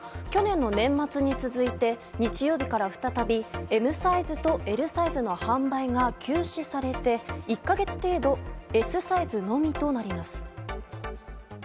去年の年末に続いて日曜日から再びＭサイズとＬサイズの販売が休止されて１か月程度Ｓサイズのみとなります。